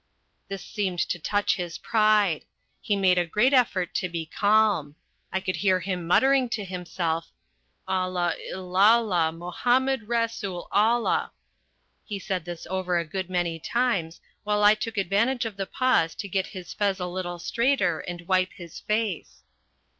This seemed to touch his pride. He made a great effort to be calm. I could hear him muttering to himself, "Allah, Illallah, Mohammed rasoul Allah!" He said this over a good many times, while I took advantage of the pause to get his fez a little straighter and wipe his face.